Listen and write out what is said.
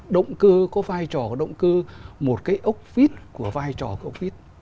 động cơ có vai trò của động cơ một cái ốc vít của vai trò của ốc vít